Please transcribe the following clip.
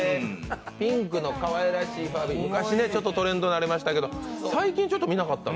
ピンクのかわいらしいファービー、昔ちょっとトレンドになりましたけど最近ちょっと見なかったな。